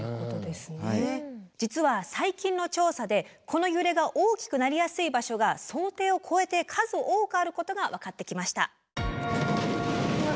実は最近の調査でこの揺れが大きくなりやすい場所が想定を超えて数多くあることが分かってきました。